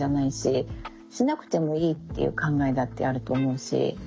しなくてもいいっていう考えだってあると思うし。